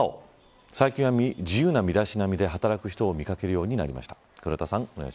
最近は、自由な身だしなみで働く人を見掛けるようになりました。